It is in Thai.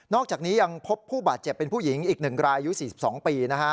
อกจากนี้ยังพบผู้บาดเจ็บเป็นผู้หญิงอีก๑รายอายุ๔๒ปีนะฮะ